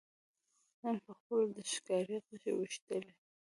نن پخپله د ښکاري غشي ویشتلی